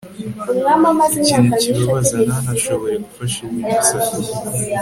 ikintu kibababaza, ntanashobore gufasha ubimusabye